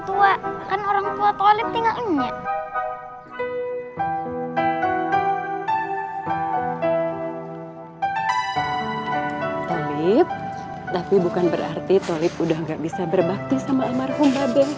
tua kan orang tua tolip tinggalnya tapi bukan berarti tolip udah nggak bisa berbakti sama almarhum